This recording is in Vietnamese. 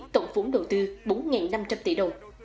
tổng phốn đầu tư bốn năm trăm linh tỷ đồng